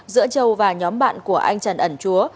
giữa châu và nhóm bạn của anh trần ẩn chúa